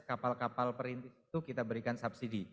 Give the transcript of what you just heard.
kapal kapal perintis itu kita berikan subsidi